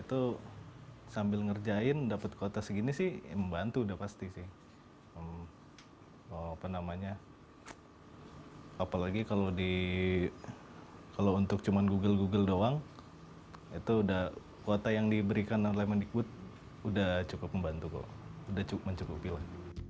udah cukup mencukupi lah